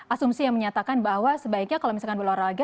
asumsi yang menyatakan bahwa sebaiknya kalau misalkan berolahraga